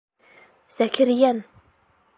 Зәкирйән!..